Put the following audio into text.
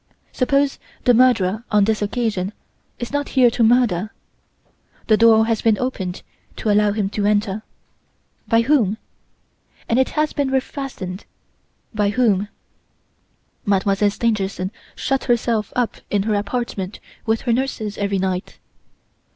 Suppose the murderer on this occasion is not here to murder? The door has been opened to allow him to enter; by whom? And it has been refastened by whom? Mademoiselle Stangerson shuts herself up in her apartment with her nurses every night.